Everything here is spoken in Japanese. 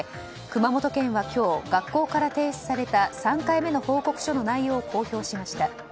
熊本県は今日学校から提出された３回目の報告書の内容を公表しました。